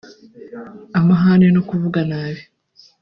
amahane no kuvuga nabi